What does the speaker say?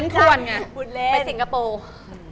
คุณเล่นไปสิงคโปร์มาก็จะพดไม่ได้